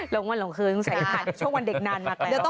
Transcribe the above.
ลงวันหลงคืนใส่ช่วงวันเด็กนานมาแล้ว